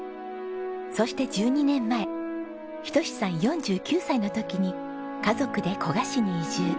そして１２年前仁さん４９歳の時に家族で古河市に移住。